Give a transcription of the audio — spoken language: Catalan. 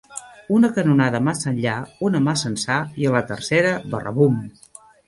Una canonada massa enllà, una massa ençà, i a la tercera, barrabum